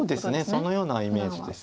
そのようなイメージです。